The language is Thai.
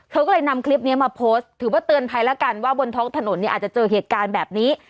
เธอก็เลยนำคลิปนี้มาโพสต์ถือว่าเตือนภัยแล้วกันว่าบนท้องถนนเนี่ยอาจจะเจอเหตุการณ์แบบนี้